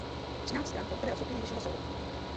Třináct stran pohřbily rozsudky Nejvyššího soudu.